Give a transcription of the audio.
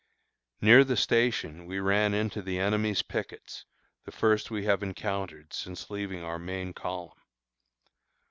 Near the station we ran into the enemy's pickets, the first we have encountered since leaving our main column.